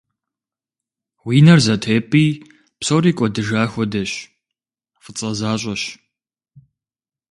Уи нэр зэтепӀи псори кӀуэдыжа хуэдэщ, фӀыцӀэ защӀэщ.